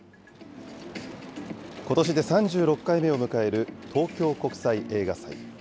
ことしで３６回目を迎える東京国際映画祭。